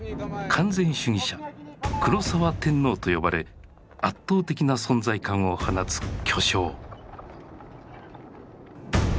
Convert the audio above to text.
完全主義者「黒澤天皇」と呼ばれ圧倒的な存在感を放つ巨匠。